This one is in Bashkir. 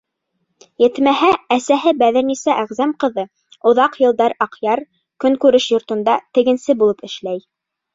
Етмәһә, әсәһе Бәҙерниса Әғзәм ҡыҙы оҙаҡ йылдар Аҡъяр көнкүреш йортонда тегенсе булып эшләй.